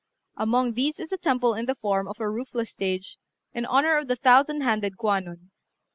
Among these is a temple in the form of a roofless stage, in honour of the thousand handed Kwannon.